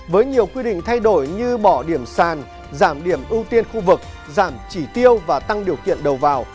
với nhiều quy định thay đổi như bỏ điểm sàn giảm điểm ưu tiên khu vực giảm chỉ tiêu và tăng điều kiện đầu vào